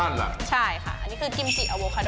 เอาล่ะเดินทางมาถึงในช่วงไฮไลท์ของตลอดกินในวันนี้แล้วนะครับ